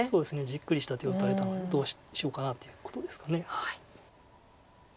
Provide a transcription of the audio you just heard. じっくりした手を打たれたのでどうしようかなっていうことですか。